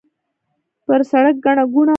پر سړک ګڼه ګوڼه وه.